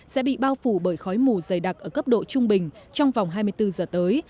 sẽ bị bao phủ bởi khói mù dày đặc ở cấp độ trung bình trong vòng hai mươi bốn giờ tới